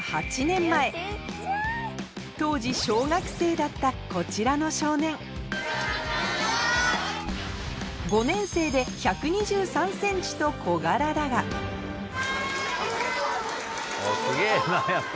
だったこちらの少年５年生で１２３ｃｍと小柄だがすげぇなやっぱ。